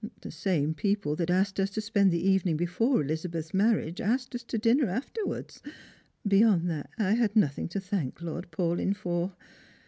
The same people that asked xis to spend the evening before Elizabeth's marriage asked ns to dinner afterwards. Beyond that I had nothing to thanh. Lord Paulyn for.